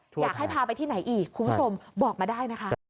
อยากให้พาไปที่ไหนอีกคุณผู้ชมบอกมาได้นะคะ